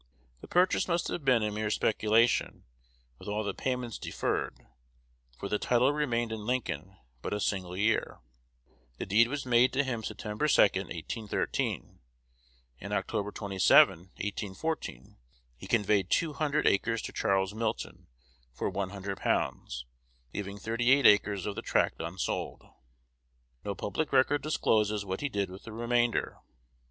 The purchase must have been a mere speculation, with all the payments deferred, for the title remained in Lincoln but a single year. The deed was made to him Sept. 2, 1813; and Oct. 27, 1814, he conveyed two hundred acres to Charles Milton for one hundred pounds, leaving thirty eight acres of the tract unsold. No public record discloses what he did with the remainder.